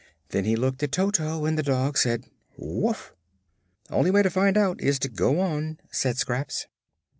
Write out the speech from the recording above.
Then looked at Toto and the dog said "Woof!" "Only way to find out is to go on," said Scraps.